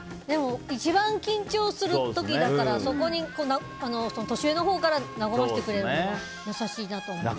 一番緊張する時だから年上のほうから和ませてくれるのは優しいなと思いますね。